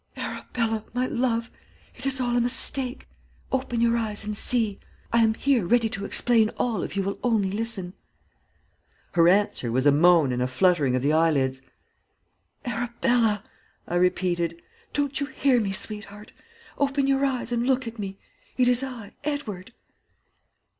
'Arabella my love it is all a mistake. Open your eyes and see. I am here ready to explain all if you will only listen.' "Her answer was a moan and a fluttering of the eyelids. "'Arabella,' I repeated. 'Don't you hear me, sweetheart? Open your eyes and look at me. It is I, Edward.'